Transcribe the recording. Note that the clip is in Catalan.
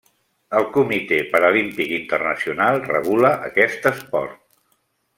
El Comitè Paralímpic Internacional regula aquest esport.